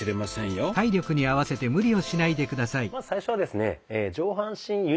まず最初はですね